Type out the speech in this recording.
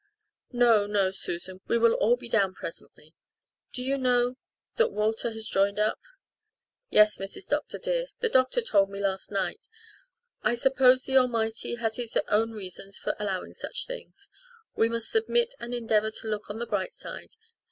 "No, no, Susan. We will all be down presently. Do you know that Walter has joined up." "Yes, Mrs. Dr. dear. The doctor told me last night. I suppose the Almighty has His own reasons for allowing such things. We must submit and endeavour to look on the bright side.